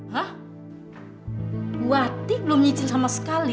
hah bu ati belum nyicil sama sekali